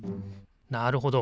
なるほど。